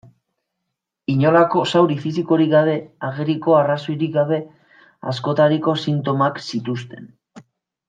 Inolako zauri fisikorik gabe, ageriko arrazoirik gabe, askotariko sintomak zituzten.